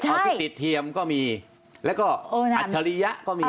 ออธิติกเทียมก็มีอัชริยะก็มี